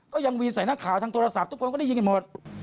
ก็ยังวีนใส่นักข่าวทางโทรศัพท์ทุกคนก็ได้ยินกันหมด